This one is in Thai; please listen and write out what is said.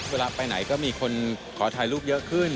เวลาไปไหนก็มีคนขอถ่ายรูปเยอะขึ้น